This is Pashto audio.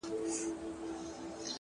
سترگه وره انجلۍ بيا راته راگوري _